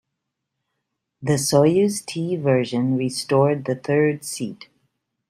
The Soyuz-T version restored the third seat.